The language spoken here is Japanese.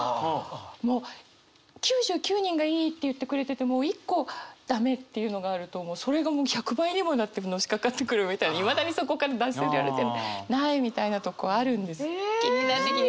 もう９９人が「いい」って言ってくれてても１個駄目っていうのがあるともうそれが１００倍にもなってのしかかってくるみたいにいまだにそこから脱せられてないみたいなとこあるんです。